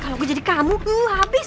kalau gue jadi kamu habis